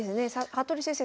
服部先生